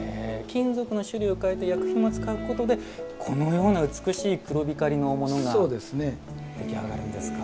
金属の種類を変えて薬品も使うことでこのような美しい黒光りのものが出来上がるんですか。